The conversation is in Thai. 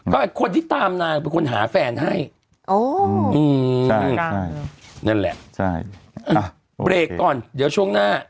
คุณกำนั้นให้นางหมดแล้ว